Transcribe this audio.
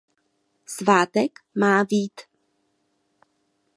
Svátek má Vít.